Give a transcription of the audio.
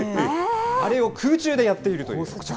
空中でやっているという。